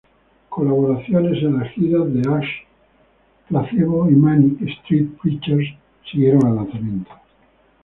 Colaboraciones en las giras de Ash, Placebo y Manic Street Preachers siguieron al lanzamiento.